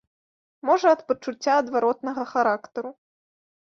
Можа ад пачуцця адваротнага характару.